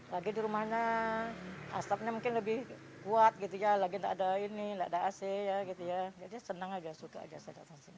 lagi di rumahnya asapnya mungkin lebih kuat gitu ya lagi nggak ada ini nggak ada ac ya gitu ya jadi senang aja suka aja saya datang sini